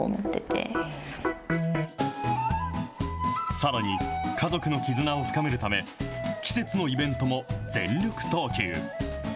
さらに、家族の絆を深めるため、季節のイベントも全力投球。